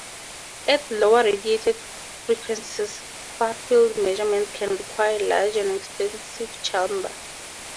At lower radiated frequencies, far-field measurement can require a large and expensive chamber.